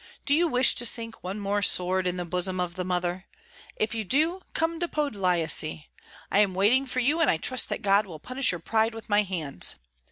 do you wish to sink one more sword in the bosom of the mother? If you do, come to Podlyasye. I am waiting for you, and I trust that God will punish your pride with my hands.